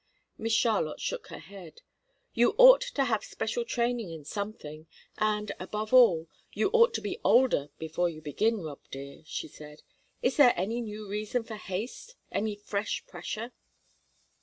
Miss Charlotte shook her head. "You ought to have special training in something, and, above all, you ought to be older before you begin, Rob dear," she said. "Is there any new reason for haste, any fresh pressure?"